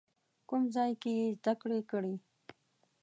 کوم ځای کې یې زده کړې کړي؟